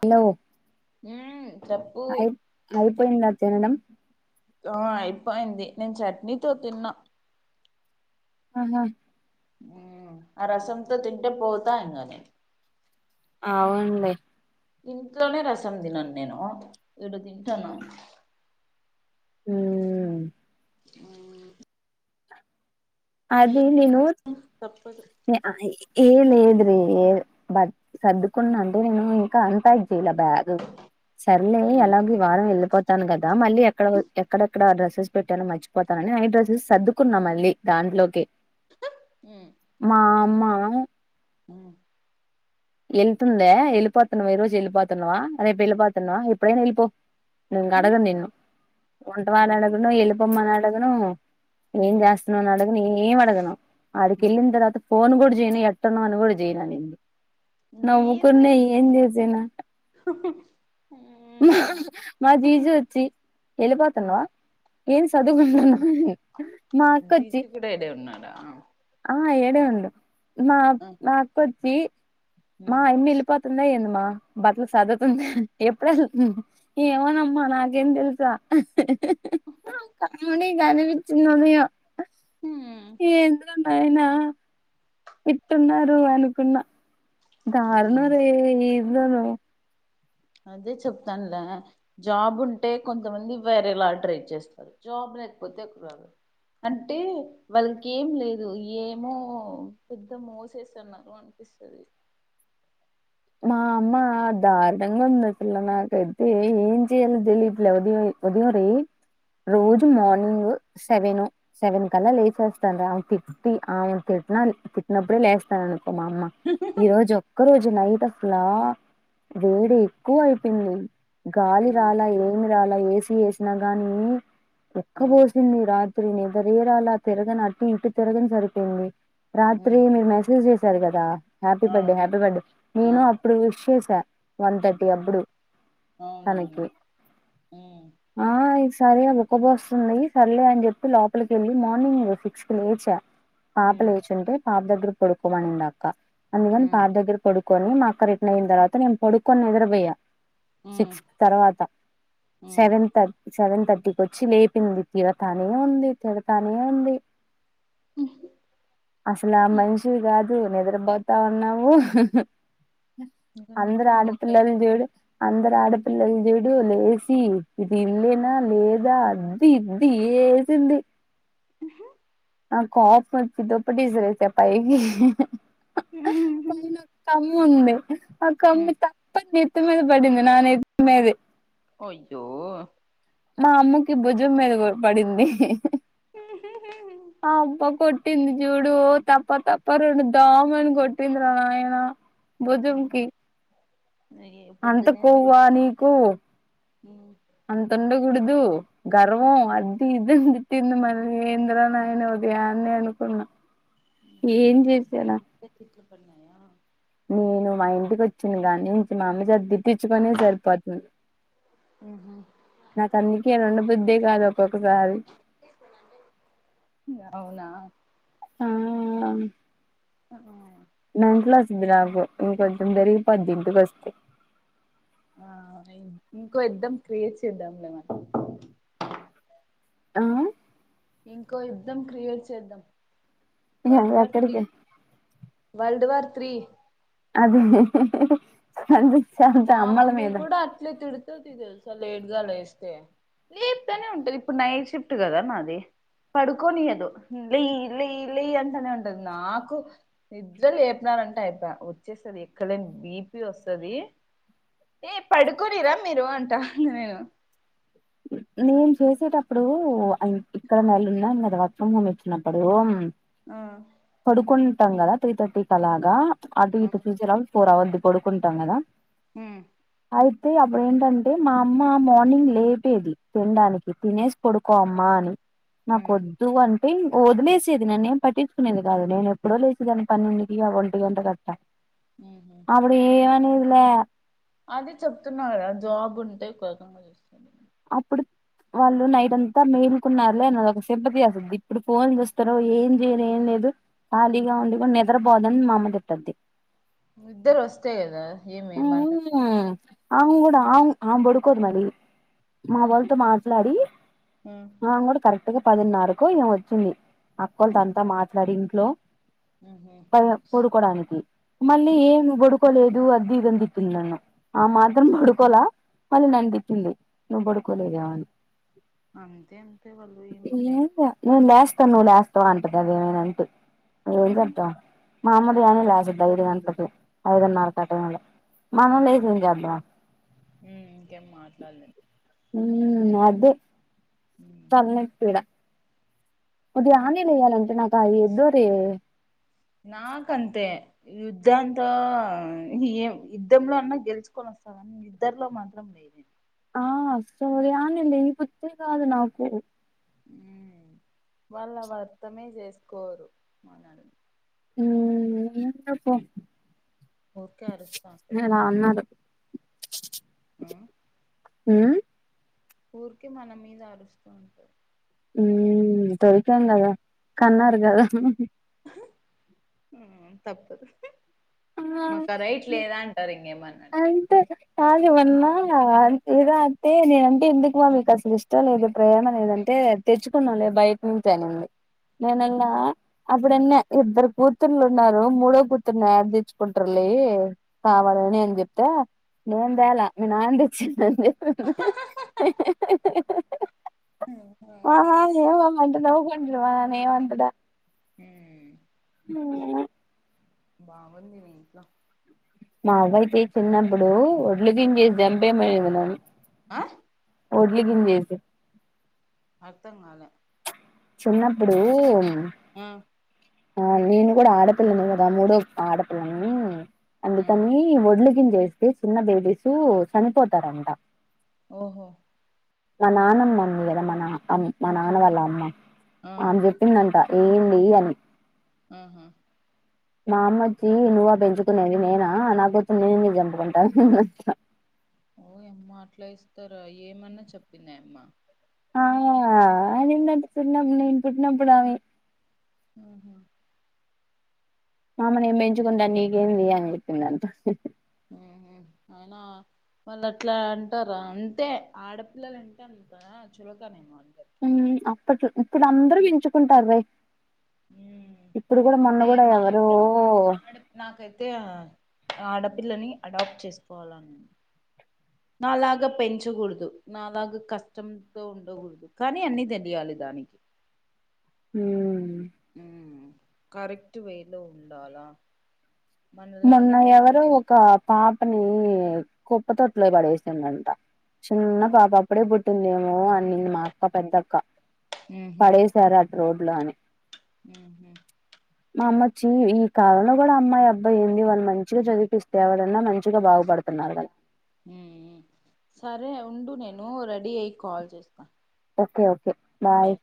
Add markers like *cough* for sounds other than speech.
*unintelligible* ఉమ్ చెప్పు అయి అయిపోయింద తినడం. ఆ అయిపోయింది, నేన్ చట్నీతో తిన్నా. ఆహా. ఆ రసంతో తింటే పోతా, ఇంగ నేన్. అవున్లే. ఇంట్లోనే రసం దినాన్ నేను, ఇడా తింటానా. హుమ్మ్. ఉమ్మ్. అది నేను, తప్పదు ఏ ఆ లేదులే, ఏ బాయ్. సర్దుకున్న అండి నేను, ఇంకా అంటై. ఇలా బ్యాగ్. సర్లే ఉమ్ ఏలాగో ఈ వారం ఎళ్ళిపోతాన్ గద్. దా. మళ్ళీ ఎక్కడో, ఎక్కడెక్కడ డ్రస్సెస్ పెట్టానో మర్చిపోతనని, నైట్ డ్రస్సెస్ సర్దుకున్నా మళ్ళీ. దాంట్లోకి. మా అమ్మ ఉ. ఎళ్తుందే ఎళ్ళిపోతున్నావ ఈ రోజు ఎళ్ళిపోతున్నావా, రేపు వెళిపోతున్నావా, ఎప్పుడైనా ఎళ్ళిపో. ఇంగ అడగన్ నిన్ను. ఉంటావా అని అడగను, ఎళ్ళిపొమ్మనీ అడగను. ఏం ఉహు చేస్తున్నావని అడగను, ఏం అడగను. ఆడికెళ్ళిన తర్వాత. ఫోన్ గుడా జేయును, ఎట్టున్నావ్ అని కూడా జేయును అనింది. నవ్వుకున్నా ఏంది ఏం జేసేనా. మా మా జీజర్ అచ్చి ఎళ్ళిపోతున్నావా. ఏం సదుకుంటున్నవ్, మా అక్కొచ్చి ఆడ ఆ ఏడే ఉండు. మా మాఅక్కోచ్చి మా ఉమ్ యమ్మీ ఎళ్ళిపోతుందా ఏందిమా. బట్టలు సదుర్తుంది. ఎప్పుడేల్ ఏమో నమ్మా నాకేం దేల్సా. *unintelligible* అనిపించిదమ్మయ ఉమ్ ఏంటో. ఎంతైనా తిట్టున్నారు అనుకున్నా. దారుణం రే ఏందోనో. అదే చెప్తానులే జాబ్ ఉంటే కొంతమంది వేరేలా ట్రై చేస్తారు జాబ్ లేకపోతే ప్రాబ్లం అంటే వాళ్ళకి ఏం లేదు ఏమో పెద్ద మోసేస్తున్నారు అ మా అమ్మ దారుణంగా ఉంది అసలు నాకైతే ఏం చెయ్యాలో తెలియట్లేదు ఉ ఉదయం రే ఉమ్. రోజు మార్నింగ్ సెవెను సెవెన్ కల్లా లేచేస్తాను రా అమే తిట్టి అమే తిట్టిన తిట్టినప్పుడే లేస్తాను మా అమ్మ ఈ రోజు ఒక్క రోజు నైట్ అసలు వేడి ఎక్కువ అయిపో చెప్పింది గాలి ఆ రాలే ఏమి రాలే ఏసీ వేసినా గాని ఉక్కు ఆ పోసింది రాత్రి నిద్ర రాలే తిరగని అటు ఇటు తిరగని సరిపోయింది రాత్రి ఉమ్ మీరు మెసేజ్ చేసారు కదా హ్యాపీ ఆ బర్డే హ్యాపీ బర్త్డే ఆ నేను అప్పుడు చూ చూసా వన్ థర్టీ ఆ అప్పుడు అవునవును తనకి హు ఆ సరే ఇగ ఉక్కపొస్తుంది సర్లే అని చెప్పి లోపలికి వెళ్లి మార్నింగ్ సిక్స్ కి లేచా పాప ఉమ్ లేచుంటే పాప దగ్గర పడుకోమనింది అక్క అందుకని ఉమ్ పాప దగ్గర పడు కొని మా అక్క రిట్న్ అయిన తర్వాత నేను పడుకొని నిద్రపోయా ఉమ్ సిక్స్ తర్వాత ఉమ్ సెవెన్ థర్ సెవెన్ థర్టీకి వచ్చి లేపింది తిడతానే ఉంది తిడతానే ఉంది అసలు ఆ మనిషివి కాదు నిద్రపోతా ఉన్నావు ఇంక అందరు నిద్రపోక ఆడపిల్లలు చూడు అందరు ఆడపి పిల్లలు చూడు లేసి ఇది ఇల్లేనా లేదా అది ఇది వేసింది ఉహు ఆ కోపట్టుంది ఒకటేసారి ఇట్టా పైకి పైన కమ్ము ఉంది ఆ కమ్మి ఉమ్ తప్పని నెత్తి మీద పడింది నా నెత్తి మీదే అయ్యో మా అమ్మకి భుజం మీద పడింది ఆ అబ్బ కొట్ కొట్టింది చూడు తప్ప తప్ప రెండు దామ్ అని కొట్టింది రా నాయన భుజం కి అయ్యో, అంత కొవ్వ పొద్దునే నీకు అంత ఉండకూడదు గర్వం అది ఇది తిట్టింది మరి ఏందిరా నాయన ఉదయాన్నే అనుకున్నా ఏం చేసాలా అందుకే *unintelligible* నేను మా ఇంటికి వచ్చిన గానీ నుంచి మా అమ్మ చేత తిట్టించుకొనుడే సరిపోతుంది ఉహు నాకు ఆందుకే ఉండ బుద్దే కాదు ఒక్కొక్కసారి అవునా ఆ *inaudible* మెంటల్ నాకు ఇంకొంచెం పెరిగిపోద్ది నాకు ఇంటికొస్తే ఆ ఇంకో యుద్దం క్రియేట్ చేద్దాంలే మనం ఆ ఇంకో యుద్ధం క్రియేట్ చేద్దాం వరల్డ్ వార్ త్రీ ఎక్కడికి వరల్డ్ వార్ త్రి అగు మా మమ్మీ కూడా అట్లే తిడుతుంది తెలుసా లేట్ గా లేస్తే లేప్తనే ఉంటుది ఇప్పుడు నైట్ షిఫ్ట్ కదా నాది పడుకోనియదు లే లే లే అంటనే ఉంటది నాకు నిద్ర లేపునా అంటే అయిపోయే వచ్చేస్తుంది ఎక్కడ లేని బీపి వస్తుది ఏ పడుకోనియారా మీరు అంటా ఇగ నేను నేను చేసేటప్పుడు ఇక్కడ నేల ఉన్నాను కదా వర్క్ ఫ్రమ్ హోమ్ వచ్చినప్పుడు ఆహ పడుకుంటాం కదా త్రీ థర్టీ కలాగా అటు ఇటు ఫ్యూచర్ ఫోర్ అవర్స్ ది పడుకుంటాం కదా మ్ అయితే అప్పుడ ఏంటంటే మా అమ్మ మార్నింగ్ లే పెది తినడానికి తినేసి పడుకోమ్మా అని మ్మ్ నాకొద్దు అం వదిలేసేది నన్ను ఏం పట్టించుకునేది కాదు నేను ఎప్పుడో లేసేదిాన్ని పన్నెంకి ఒంటి గంట కట్టా మ్మ్ అప్పుడు ఏమనేదిలే అది చెప్తున్నా కదా జాబ్ ఉంటే ఒక రకంగా చూస్తరు అప్పుడు వాళ్ళు నైట్ అంతా మేలుకున్నారులే అ నాదిొ ఒక సింపతి చేస్తుంది ఇప్పుడు ఫోన్ చూస్తారు ఏం చేయరు ఏం లేదు ఖాళీగా ఉండి నిద్రపోోదని మామ తిట్టుద్ది నిద్దరోస్తే కదా ఏమి మంట మ్మ్ ఆమె నకూడా ఆవ్ ఆవ్ పడుకోదు మరి మా వాళ్ళతో మాట్లాడి మ్మ్ ఆ కూడా కరెక్ట్గా పదిన్నరకో ఏమో వచ్చింది అక్కోల్తో అంతా మాట్లాడి ఇంట్లో హ్మ్ ప పడుకోడానికి మళ్ళీ ఏం పడుకోలేదు అది ఇదని తీటింది నన్ను ఆ మాత్రం పడుకోలా వాళ్ళు నన్ను తీటింది నువ్వు పడుకోలేదా అని అంతే అంతే వాళ్ళు ఎం సేన్ కన్ నువ్ లేస్తావ అంటుంది అదేమొ నైట్ ఎం మ్మ్ హ్మ్ చేద్దాం ఆ మామూలుగానే అంతే లేసిద్ధి ఐదు గంటలకు ఐదున్నరక టై ల ఇంకేం మ్ ఇంకేం మాట్లాడలేం మ్ అదే మ్మ్ తల నొప్పిడ కొద్దీ ఆనియ్యానేయాలంటే నాకాయోద్దురే నాకంతే యుద్ధ అంతా ఏ యుద్ధంలో అన్నా గెలుచుకోనో స్త గాని నిద్దర్లో మాత్రం లేన్ ఆ సో *unintelligible* నాకు వాళ్ళు అవి అర్థమే చేసుకోరు మనల్ని మ్ ఏంటిదో పో ఊకే అరుస్క ఉంటారు మ్ ఇలా అన్నారు ఆ ఊరికే మన మీద ఆరుస్తూ ఉంటారు మ్ దొరికాం కదా కన్నారు కదా మ్ తప్పదు ఆ మాకు రైట్ లేదా అంటారు ఇంకేమన్నా అంటే అంతే కాదు వన్నార్ లేదా అంతే నేనంటే ఎందుకు మీకు అసలు ఇష్టం లేదు ప్రేమ లేదంటే తెచ్చుకున్నంలే బయట నుంచి అనింది నేనన్నా అప్పుడన్న ఇద్దరు కూతుళ్ళు ఉన్నారు మూడో కూతురుని ఏడ తేచ్ కుంట్రలే కావాలని అని చెప్తే నేను తేాల మీ నాన్నతె చ్చిందండి మ నాయన ఏమనంటే నవ్వుకుంటాడు ఆయనేమంటాడు ఉమ్ అవును బాగుంది మీ ఇంట్లో మా అవ్వైతే చిన్నప్పుడు ఒడ్లు మింగేసి చంపేమనేది నన్ ఆ వడ్ల గింజేసీ అర్థం గాలే చిన్నప్పుడు ఆ ఆ నేను కూడా ఆడపిల్లనే కదా మూడో ఆడపిల్లని ఆ అందుకని ఒడ్లు గింజెస్తే చిన్న బేబీస్ చనిపోతారంట ఓహో మా నాన్నమ్మ అంది కదా మా నామ్ మా నాన్న వాళ్ళ అమ్మ ఆ ఆమె జెప్పిందంట ఏంది అని ఆహా మాఅమ్మొచ్చి నువ్వా పెంచుకునేది నేనా నాకూతుర్ని నేనెందుకు చంపుకుంటా అనిందాంట ఓయమ్మ అట్లా ఏస్తారా ఏమన్నా చెప్పిందాయమ్మా ఆ నిందంట నేను పుట్నప్పుడామే ఆహ పాప నేన్ పెంచుకుంట నీకేన్ది అని జెప్పిందంట ఉ అయినా వాళ్ళట్లా అంటారా అంటే ఆడపిల్లలు ఏంట అంత కదా చులకనే వా ఉ అప్పట్ ఇప్పుడు అందరూ వుంచుకుంటారు వె నేను ఎవరో మాత్రం ఆడు నాకతే ఆడపిల్లని అడాప్ట్ చేసుకోవాలను నాలాగా పెంచకూడదు నాలాగా కష్టంతో ఉండకూడదు కానీ అన్ని తెలియాలి దానికి ఉ ఉ కరెక్ట్ వేలో ఉండాలా మనలాగా మొన్న ఎవరు కష్టపడ ఒక పాపని కుప్ప తొట్లో పడేసిండంట చిన్న పాప అప్పుడే పుట్టిందేమో అన్నింది మా అక్క పెద్దక్క పడేశారట్రటరోడ్ లో అని ఊహు మా అమ్మచ్చి ఈ కాలంలో గూడా అమ్మాయి అబ్బా అబ్బా ఏంది వాళ్ళు మంచిగా చదివిపిస్తేవాడన్నా మంచిగా బాగుపడుతున్నారు కదా సరే ఉండు నేను రెడీ అయి కాల్ చేస్తా ఓకే ఓకే బాయ్